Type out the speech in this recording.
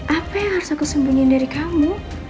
apa yang harus aku sembunyiin dari kamu